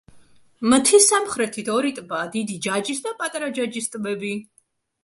მთის სამხრეთით ორი ტბაა: დიდი ჯაჯის და პატარა ჯაჯის ტბები.